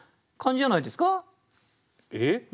えっ？